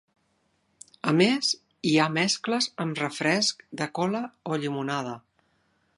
A més, hi ha mescles amb refresc de cola o llimonada.